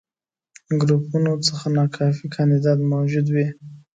ګروپونو څخه ناکافي کانديدان موجود وي.